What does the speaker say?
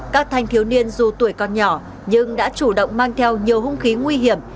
các thanh thiếu niên dù tuổi còn nhỏ nhưng đã chủ động mang theo nhiều hung khí nguy hiểm